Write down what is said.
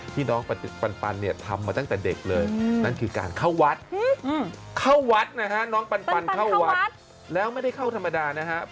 ที่น้องปันเนี่ยทำมาตั้งแต่เด็กเลยนั่นคือการเข้าวัดเข้าวัดนะฮะน้องปันเข้าวัดแล้วไม่ได้เข้าธรรมดานะครับ